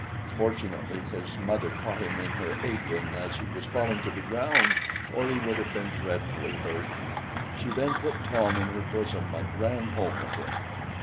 Fortunately his mother caught him in her apron as he was falling to the ground, or he would have been dreadfully hurt. She then put Tom in her bosom and ran home with him.